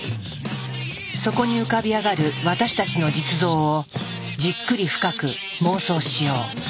そこに浮かび上がる私たちの実像をじっくり深く妄想しよう。